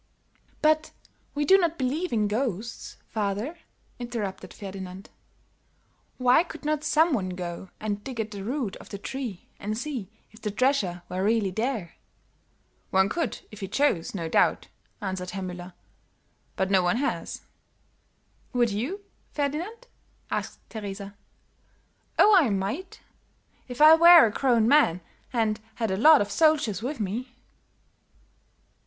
"But we don't believe in ghosts, father," interrupted Ferdinand. "Why could not some one go and dig at the root of the tree and see if the treasure were really there?" "One could if he chose, no doubt," answered Herr Müller, "but no one has." "Would you, Ferdinand?" asked Teresa. "Oh, I might, if I were a grown man and had a lot of soldiers with me."